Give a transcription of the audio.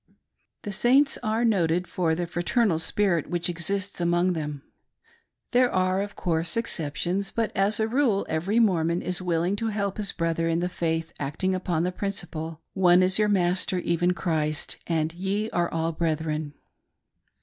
The Saints are noted for the fraternal spirit which exists" among them. There are, of course, exceptions ; but, as a rule, every Mormon is willing to help his brother in the faith, act ing upon' the principle, "One is your Master, even Christ: and all ye are brethren."